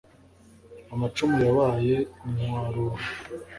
amacumu yabaye inkwaruro